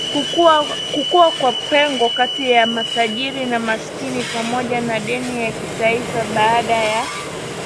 kukua kwa pengo kati ya matajiri na maskini pamoja na deni la kitaifaBaada ya